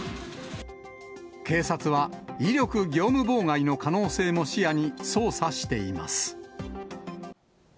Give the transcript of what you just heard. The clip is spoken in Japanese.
警察は威力業務妨害の可能性も視野に、捜査しています。